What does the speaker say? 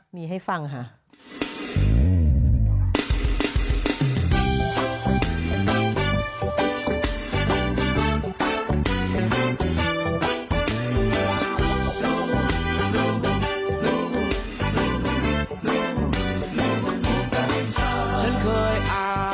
มีให้ฟังค่ะ